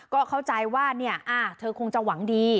ก็เข้าใจว่าเนี่ยอ่าเธอคงจะหวังดี